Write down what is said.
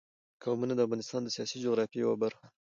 قومونه د افغانستان د سیاسي جغرافیه یوه برخه ده.